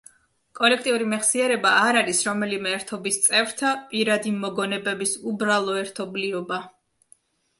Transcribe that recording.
კოლექტიური მეხსიერება არ არის რომელიმე ერთობის წევრთა პირადი მოგონებების უბრალო ერთობლიობა.